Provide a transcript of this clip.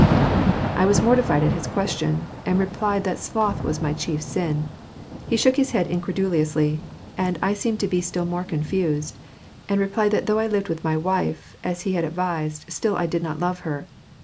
I was mortified at his question, and replied that sloth was my chief sin. He shook his head incredulously, and I seemed to be still more confused, and replied that though I lived with my wife, as he had advised, still, I did not love her.